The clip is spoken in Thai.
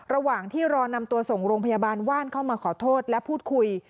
ระหว่างที่รอนำตัวส่งโรงพยาบาลว่านเข้ามาขอโทษและพูดคุย